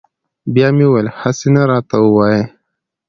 بیا مې ویل هسې نه راته ووایي.